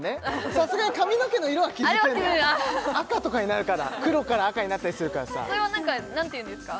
さすがに髪の毛の色は気付ける赤とかになるから黒から赤になったりするからさそれは何て言うんですか？